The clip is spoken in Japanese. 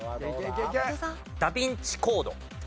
『ダ・ヴィンチ・コード』。